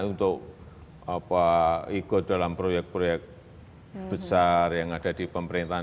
untuk ikut dalam proyek proyek besar yang ada di pemerintahan